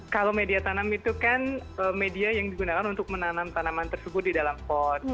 kalau media tanam itu kan media yang digunakan untuk menanam tanaman tersebut di dalam pot